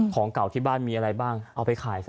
ของเก่าที่บ้านมีอะไรบ้างเอาไปขายซะ